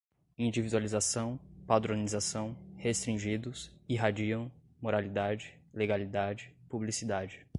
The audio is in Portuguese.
individualização, padronização, restringidos, irradiam, moralidade, legalidade, publicidade